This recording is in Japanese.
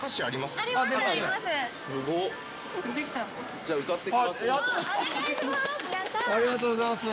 じゃあ歌ってみますね。